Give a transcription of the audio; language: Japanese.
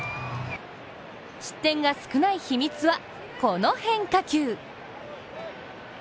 失点が少ない秘密はこの変化球。